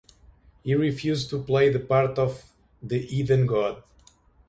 He refused to play the part of the heathen god.